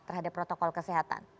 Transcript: terhadap protokol kesehatan